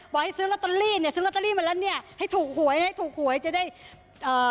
ให้ซื้อลอตเตอรี่เนี่ยซื้อลอตเตอรี่มาแล้วเนี่ยให้ถูกหวยให้ถูกหวยจะได้เอ่อ